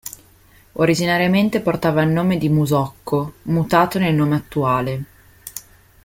Originariamente portava il nome di "Musocco", mutato nel nome attuale.